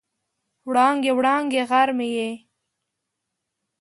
وړانګې، وړانګې غر مې یې